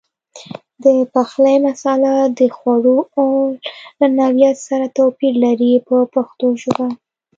د پخلي مساله د خوړو له نوعیت سره توپیر لري په پښتو ژبه.